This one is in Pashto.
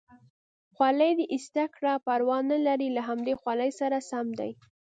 خولۍ دې ایسته کړه، پروا نه لري له همدې خولۍ سره سم دی.